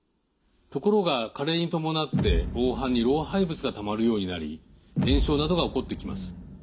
ところが加齢に伴って黄斑に老廃物がたまるようになり炎症などが起こってきます。